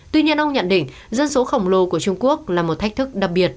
tuy nhiên ông nhận định dân số khổng lồ của trung quốc là một thách thức đặc biệt